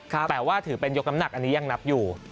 แต่ว่าถือเป็นยกน้ำหนักอันนี้ยังนับอยู่